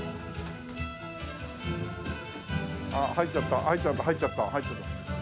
あっ入っちゃった入っちゃった入っちゃった入っちゃった。